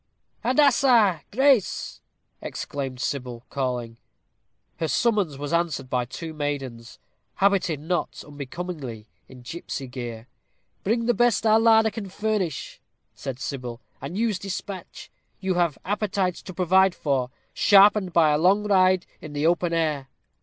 "Handassah Grace!" exclaimed Sybil, calling. Her summons was answered by two maidens, habited not unbecomingly, in gipsy gear. "Bring the best our larder can furnish," said Sybil, "and use despatch. You have appetites to provide for, sharpened by a long ride in the open air."